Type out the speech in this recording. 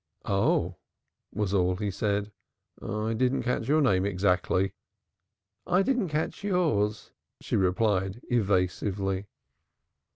"Oh!" was all he said. "I didn't catch your name exactly." "I didn't catch yours," she replied evasively.